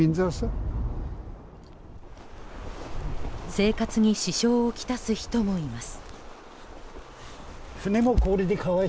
生活に支障を来す人もいます。